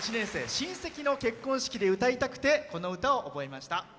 親戚の結婚式で歌いたくてこの歌を覚えました。